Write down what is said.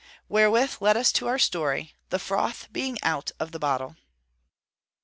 Wherewith let us to our story, the froth being out of the bottle.